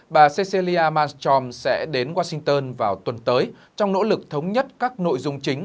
bà cecilia malmstrom sẽ đến washington vào tuần tới trong nỗ lực thống nhất các nội dung chính